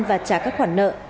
và trả các khoản nợ